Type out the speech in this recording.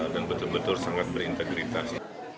dan betul betul sangat berintegritas